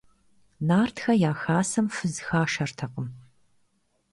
Нартхэ я хасэм фыз хашэртэкъым.